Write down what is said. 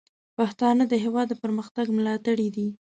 پښتانه د هیواد د پرمختګ ملاتړي دي.